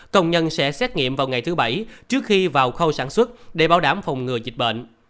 công nhân sẽ xét nghiệm vào ngày thứ bảy trước khi vào khâu sản xuất để bảo đảm phòng ngừa dịch bệnh